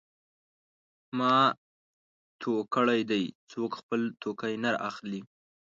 ما تو کړی دی؛ څوک خپل توکی نه رااخلي.